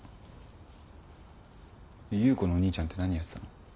優子のお兄ちゃんて何やってたの？